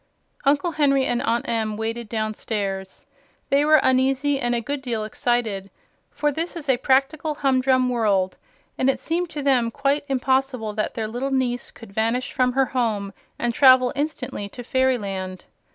Uncle Henry and Aunt Em waited downstairs. They were uneasy and a good deal excited, for this is a practical humdrum world, and it seemed to them quite impossible that their little niece could vanish from her home and travel instantly to fairyland.